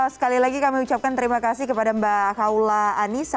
sekali lagi kami ucapkan terima kasih kepada mbak kaula anissa